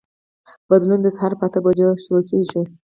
بدلون د سهار په اته بجو پیل کېږي.